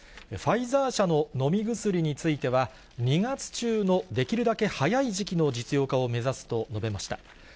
ファイザー社の飲み薬については、２月中のできるだけ早い時期の実用化を目指すと述べました。